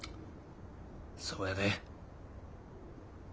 そうやで。